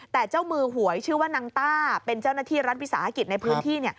แต่เจ้ามือหวยชื่อว่านางต้าเป็นเจ้าหน้าที่รัฐวิสาหกิจในพื้นที่